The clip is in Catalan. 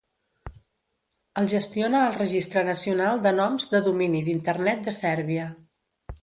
El gestiona el Registre Nacional de Noms de Domini d'Internet de Sèrbia.